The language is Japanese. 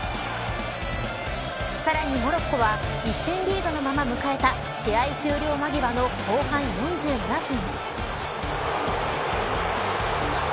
さらにモロッコは１点リードのまま迎えた試合終了間際の後半４７分。